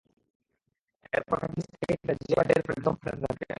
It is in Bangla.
এরপর খাটের নিচ থেকে একটা জিআই পাইপ বের করে বেদম পেটাতে থাকেন।